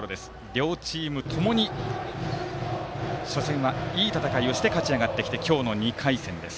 両チームともに初戦はいい戦いをして勝ち上がってきて今日の２回戦です。